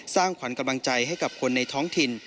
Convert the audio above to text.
สร้างขวัญกำลังใจให้กับคนในท้องถิ่น